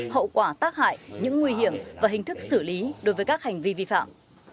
hậu quả tác hại những nguy hiểm và hình thức xử lý đối với các hành vi vi phạm